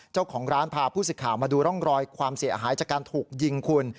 เจ้าของร้านพาผู้สิทธิ์มาดูร่องรอยความเสียหายจากการถูกยิงคุณ